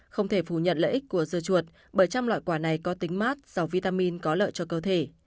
không thể phủ nhận lợi ích của dưa chuột bởi trăm loại quả này có tính mát do vitamin có lợi cho cơ thể